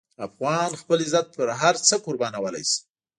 افغان خپل عزت په هر څه قربانولی شي.